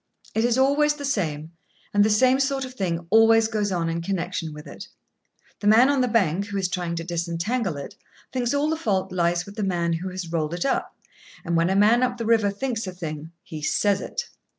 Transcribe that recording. It is always the same, and the same sort of thing always goes on in connection with it. The man on the bank, who is trying to disentangle it, thinks all the fault lies with the man who rolled it up; and when a man up the river thinks a thing, he says it.